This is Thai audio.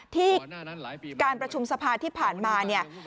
ที่การประชุมสภาที่ผ่านมาเนี่ย